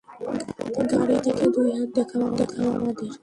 গাড়ি থেকে বের হয়ে দুই হাত দেখাও আমাদের!